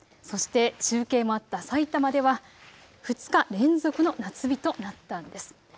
そして中継もあった埼玉では２日連続の夏日となったんです。